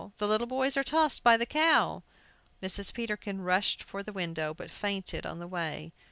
The little boys are tossed by the cow!" Mrs. Peterkin rushed for the window, but fainted on the way.